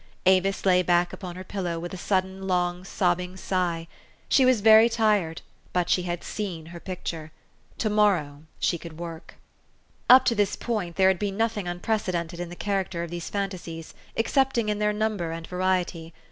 Avis lay back upon her pillow with a sudden, long, sobbing sigh. She was very tired; but she had seen her picture. To morrow she could work. Up to this point there had been nothing unpre cedented in the character of these fantasies, ex THE STORY OF AVIS. 151 cepting in their number and variety.